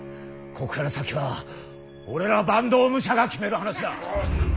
こっから先は俺ら坂東武者が決める話だ。